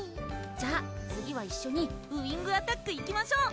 じゃあ次は一緒にウィングアタックいきましょう！